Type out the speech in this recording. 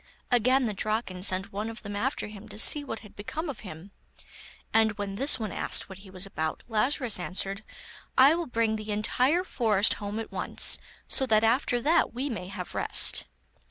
Again the Draken sent one of them after him to see what had become of him, and when this one asked what he was about, Lazarus answered: 'I will bring the entire forest home at once, so that after that we may have rest.